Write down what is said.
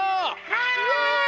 はい！